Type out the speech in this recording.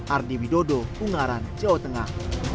ardi widodo ungaran jawa tengah